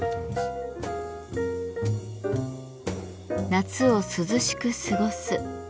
夏を涼しく過ごす。